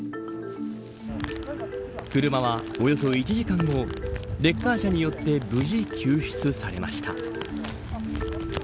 車はおよそ１時間後レッカー車によって無事救出されました。